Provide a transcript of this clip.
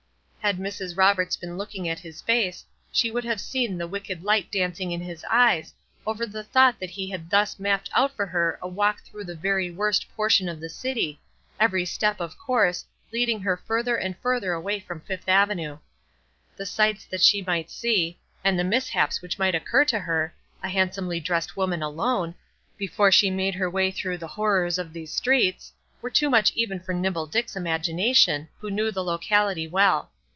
Had Mrs. Roberts been looking at his face, she would have seen the wicked light dancing in his eyes over the thought that he had thus mapped out for her a walk through the very worst portion of the city, every step, of course, leading her further and further away from Fifth Avenue. The sights that she might see, and the mishaps which might occur to her, a handsomely dressed woman alone, before she made her way through the horrors of these streets were too much even for Nimble Dick's imagination, who knew the locality well.